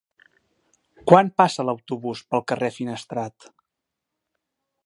Quan passa l'autobús pel carrer Finestrat?